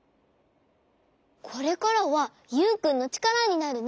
これからはユウくんのちからになるね！